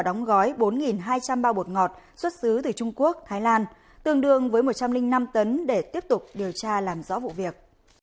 công ty sài gòn vê quân đưa vào đóng gói bốn hai trăm linh bao bột ngọt xuất xứ từ trung quốc thái lan tương đương với một trăm linh năm tấn để tiếp tục điều tra làm rõ vụ việc